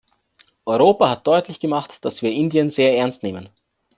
Europa hat deutlich gemacht, dass wir Indien sehr ernst nehmen.